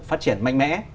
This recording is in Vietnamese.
phát triển mạnh mẽ